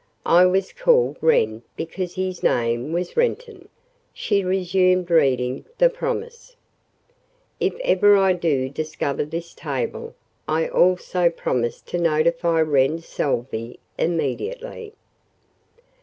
"I was called Wren because his name was Renton." She resumed reading the promise: "'If ever I do discover this table I also promise to notify Wren Salvey immediately.'